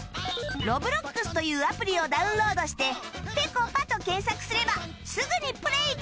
Ｒｏｂｌｏｘ というアプリをダウンロードして「ぺこぱ」と検索すればすぐにプレー可能！